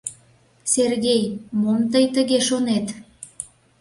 — Сергей, мом тый тыге шонет?